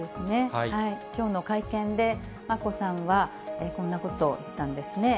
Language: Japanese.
きょうの会見で、眞子さんは、こんなことを言ったんですね。